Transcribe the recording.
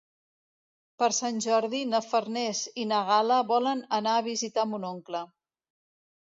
Per Sant Jordi na Farners i na Gal·la volen anar a visitar mon oncle.